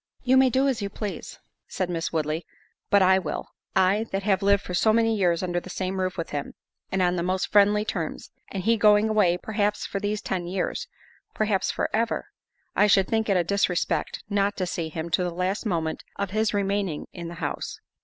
"You may do as you please," said Miss Woodley, "but I will. I that have lived for so many years under the same roof with him, and on the most friendly terms, and he going away, perhaps for these ten years, perhaps for ever, I should think it a disrespect not to see him to the last moment of his remaining in the house."